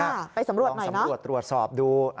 ไปสำรวจหน่อยนะลองสำรวจตรวจสอบดู